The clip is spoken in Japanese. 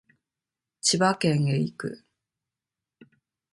千葉県へ行く